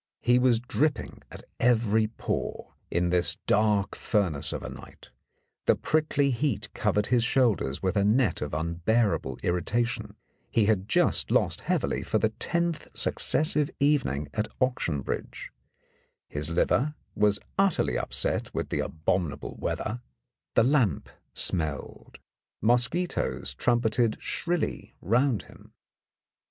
He was dripping at every pore in this dark furnace of a night, the prickly heat covered his shoulders with a net of unbearable irritation, he had just lost heavily for the tenth successive evening at auction bridge, his liver was utterly upset with the abominable weather, the lamp smelled, mosquitoes trumpeted shrilly round him.